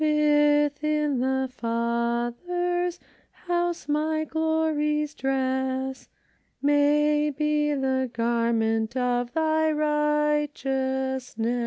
Within the Father's house, my glorious dress May be the garment of thy righteousness.